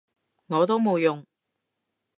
我都冇用